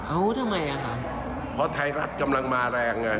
เอาทำไมอ่ะค่ะเพราะไทยรัฐกำลังมาแรงไง